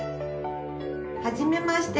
はじめまして。